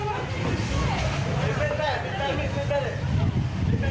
ทำไมไม่โทรแจ้งตำรวจอีกว่าโทรตำรวจจะไม่ไปโทร